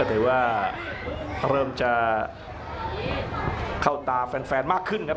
ถือว่าเริ่มจะเข้าตาแฟนมากขึ้นครับ